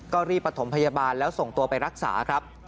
ก็รีบประถมพยาบาลแล้วส่งตัวไปรักษาครับ